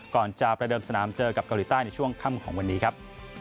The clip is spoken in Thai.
ก่อนจะประเดิมสนามเจอกับเกาหลีใต้ในช่วงค่ำของวันนี้ครับ